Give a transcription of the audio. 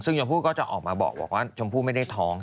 ซึ่งชมพู่ก็จะออกมาบอกว่าชมพู่ไม่ได้ท้อง